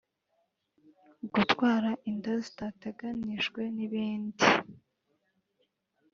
gutwara inda zitateganijwe n’ibindi